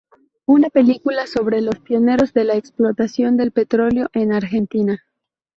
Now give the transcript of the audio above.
Una película sobre los pioneros de la explotación del petróleo en Argentina.